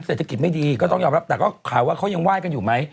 เศรษฐกิจไม่ดีก็ต้องยอมรับแต่ก็ข่าวว่าเขายังไห้กันอยู่ไหม